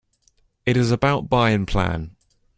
It is about by in plan.